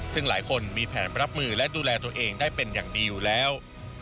ซึ่งหลายคนมีแผนรับมือและดูแลตัวเองได้เป็นอย่างดีอยู่แล้ว